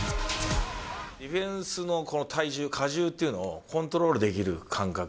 ディフェンスの体重、荷重っていうのをコントロールできる感覚。